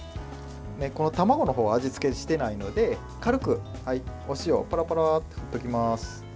卵の方の味付けをしていないので軽くお塩パラパラと振っておきます。